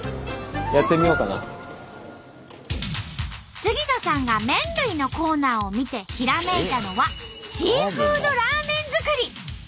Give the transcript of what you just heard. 杉野さんが麺類のコーナーを見てひらめいたのはシーフードラーメン作り。